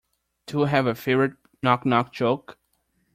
Do you have a favourite knock knock joke?